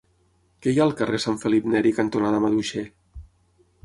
Què hi ha al carrer Sant Felip Neri cantonada Maduixer?